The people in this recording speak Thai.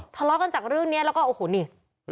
ทะเลาะกันจากเรื่องนี้แล้วก็โอ้โหนี่